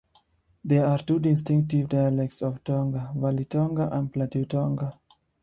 There are two distinctive dialects of Tonga; Valley Tonga and Plateau Tonga.